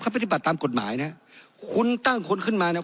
ปฏิบัติตามกฎหมายนะคุณตั้งคนขึ้นมาเนี่ย